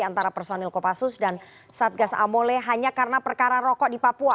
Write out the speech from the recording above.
antara personil kopassus dan satgas amole hanya karena perkara rokok di papua